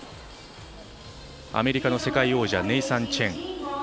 アメリカの世界王者ネイサン・チェン。